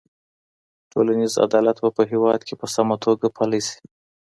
ټولنيز عدالت به په هيواد کي په سمه توګه پلی سي.